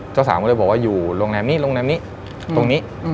เจ้าสาวก็เลยบอกว่าอยู่โรงแรมนี้โรงแรมนี้ตรงนี้